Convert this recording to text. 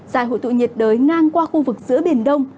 giải hội tụ nhiệt đới ngang qua khu vực giữa biển đông